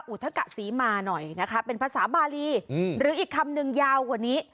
อุทธกะศรีมาหน่อยนะคะเป็นภาษาบารีหรืออีกคำนึงยาวกว่านี้